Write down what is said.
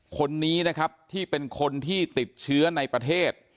คนนี้นะครับที่เป็นคนที่ติดเชื้อในประเทศ